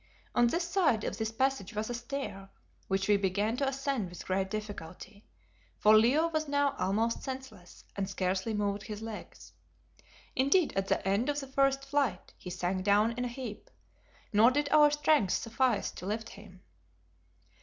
On one side of this passage was a stair, which we began to ascend with great difficulty, for Leo was now almost senseless and scarcely moved his legs. Indeed at the head of the first flight he sank down in a heap, nor did our strength suffice to lift him.